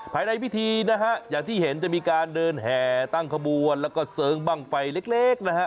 ภายในพิธีนะฮะอย่างที่เห็นจะมีการเดินแห่ตั้งขบวนแล้วก็เสริงบ้างไฟเล็กนะฮะ